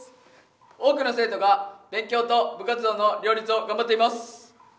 多くの生徒が勉強と部活動の両立を頑張っています。